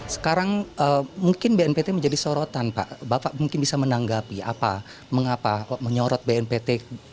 sekarang mungkin bnpt menjadi sorotan pak bapak mungkin bisa menanggapi mengapa menyorot bnpt